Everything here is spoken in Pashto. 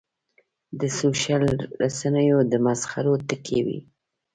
د سوشل رسنیو د مسخرو ټکی وي.